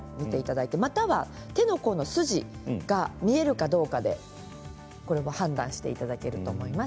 または手の甲の筋が見えるかどうかで判断していただけると思います。